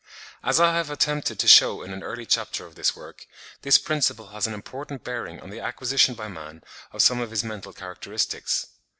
As I have attempted to shew in an early chapter of this work, this principle has an important bearing on the acquisition by man of some of his mental characteristics.)